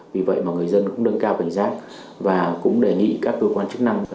vì vậy mà người dân cũng nâng cao cảnh giác và cũng đề nghị các cơ quan chức năng